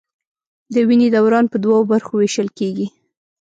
د وینې دوران په دوو برخو ویشل کېږي.